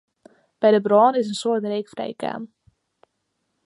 By de brân is in soad reek frijkaam.